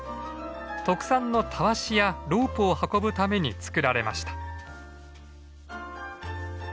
特産のたわしやロープを運ぶために作られました。